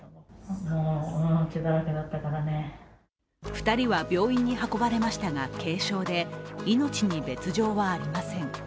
２人は病院に運ばれましたが軽傷で、命に別状はありません。